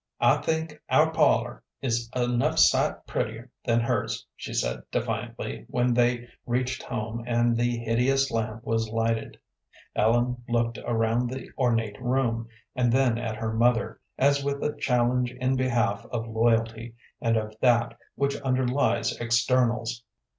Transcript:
"I think our parlor is enough sight prettier than hers," she said, defiantly, when they reached home and the hideous lamp was lighted. Ellen looked around the ornate room, and then at her mother, as with a challenge in behalf of loyalty, and of that which underlies externals.